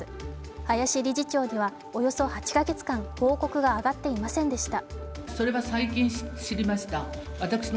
林理事長にはおよそ８か月間、報告があがっていませんでした。